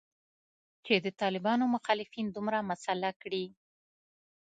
چې د طالبانو مخالفین دومره مسلح کړي